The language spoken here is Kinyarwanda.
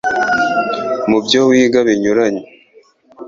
mu byo wiga binyuranye.